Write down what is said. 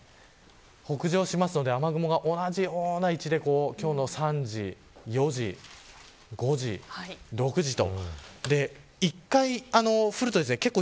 北上しますので、雨雲が同じような位置で今日の３時、４時、５時６時と。